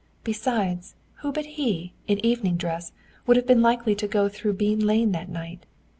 Besides, who but he, in evening dress, would have been likely to go through Bean lane that night?